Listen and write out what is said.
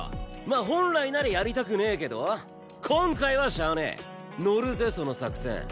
まあ本来ならやりたくねえけど今回はしゃあねえのるぜその作戦。